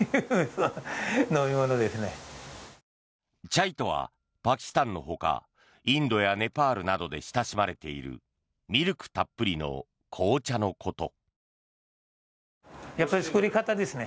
チャイとはパキスタンのほかインドやネパールなどで親しまれているミルクたっぷりの紅茶のこと。